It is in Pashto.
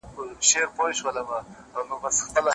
څه در سوي چي مي عطر تر سږمو نه در رسیږي